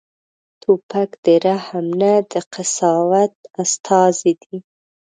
توپک د رحم نه، د قساوت استازی دی.